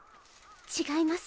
違います。